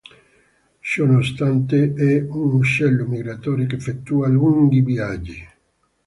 Ciononostante, è un uccello migratore che effettua lunghi viaggi.